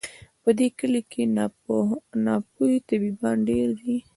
په دې کلي کي ناپوه طبیبان ډیر دي